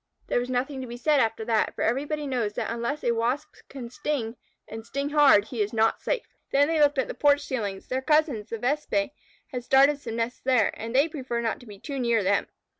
There was nothing to be said after that, for everybody knows that unless a Wasp can sting, and sting hard, he is not safe. Then they looked at the porch ceilings. Their cousins, the Vespæ, had started some nests there, and they preferred not to be too near them.